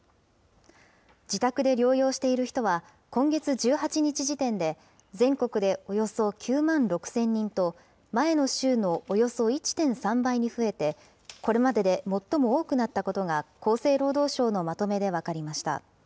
自宅で療養している人は、今月１８日時点で、全国でおよそ９万６０００人と、前の週のおよそ１．３倍に増えて、これまでで最も多くなったことが厚生労働省のまとめで分かりました。